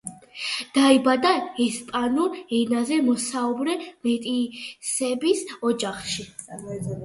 დაიბადა ესპანურ ენაზე მოსაუბრე მეტისების ოჯახში.